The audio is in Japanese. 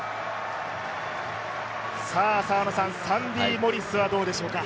サンディ・モリスはどうでしょうか？